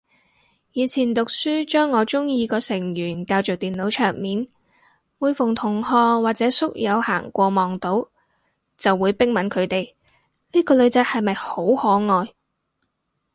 以前讀書將我鍾意個成員較做電腦桌面，每逢同學或者宿友行過望到，就會逼問佢哋呢個女仔係咪好可愛